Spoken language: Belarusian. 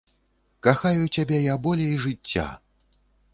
Кахаю цябе я болей жыцця!